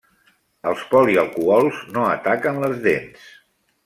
Els polialcohols no ataquen les dents.